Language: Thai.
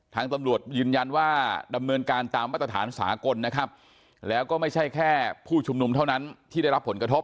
ทางตำรวจยืนยันว่าดำเนินการตามมาตรฐานสากลนะครับแล้วก็ไม่ใช่แค่ผู้ชุมนุมเท่านั้นที่ได้รับผลกระทบ